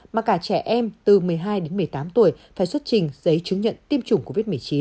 mà cả trẻ em từ một mươi hai đến một mươi tám tuổi phải xuất trình giấy chứng nhận tiêm chủng covid một mươi chín